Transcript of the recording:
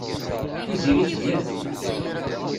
Tiziri tga-t.